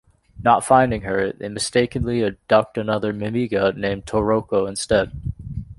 Not finding her, they mistakenly abduct another Mimiga named Toroko instead.